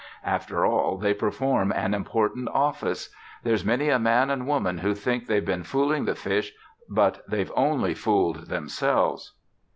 After all, they perform an important office. There's many a man and woman who think they've been fooling the fish but they've only fooled themselves."